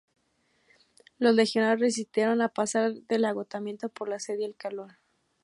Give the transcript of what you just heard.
Los legionarios resistieron, a pesar del agotamiento por la sed y el calor.